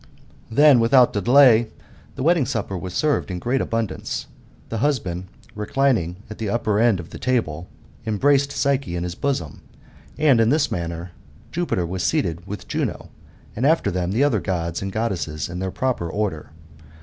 Then, without delay, the wedding supper was served in great abundance. Th& husband, rech'ning at the upper end of Hat table, embraced Psyche in his bosom ; and in this^manner, Jupiter was seated with Juno> and after them, the other Gods and Godesses in their proper order.